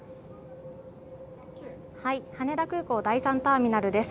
羽田空港第３ターミナルです。